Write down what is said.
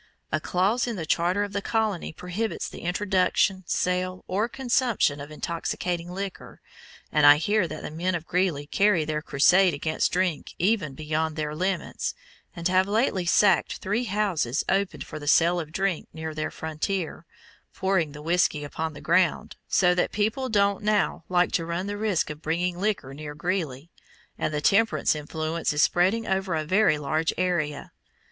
A clause in the charter of the colony prohibits the introduction, sale, or consumption of intoxicating liquor, and I hear that the men of Greeley carry their crusade against drink even beyond their limits, and have lately sacked three houses open for the sale of drink near their frontier, pouring the whisky upon the ground, so that people don't now like to run the risk of bringing liquor near Greeley, and the temperance influence is spreading over a very large area.